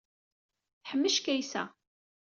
Teḥmec Kaysa.